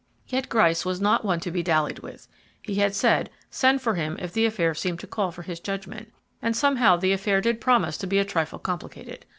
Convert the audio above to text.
Yet Gryce was not one to be dallied with. He had said, send for him if the affair seemed to call for his judgment, and somehow the affair did promise to be a trifle complicated.